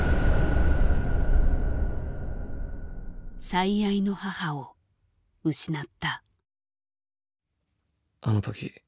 最愛の母を失った。